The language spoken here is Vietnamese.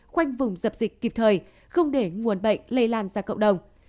khoanh vùng dập dịch kịp thời không để nguồn bệnh lây lan ra cộng đồng